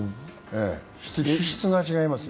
資質が違います。